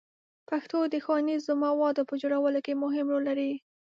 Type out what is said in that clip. پښتو د ښوونیزو موادو په جوړولو کې مهم رول لري.